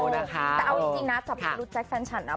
แต่เอาจริงนะจากรู้จักแจ็คแฟนชันนะ